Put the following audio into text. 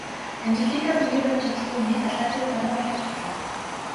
Анжелика биеэ барьж чадалгүй инээд алдаад тэр дороо улайж орхилоо.